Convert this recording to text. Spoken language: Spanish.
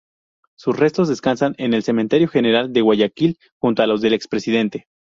Sus restos descansan en el Cementerio General de Guayaquil, junto a los del expresidente.